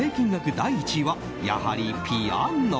第１位はやはりピアノ。